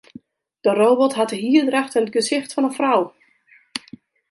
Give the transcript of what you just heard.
De robot hat de hierdracht en it gesicht fan in frou.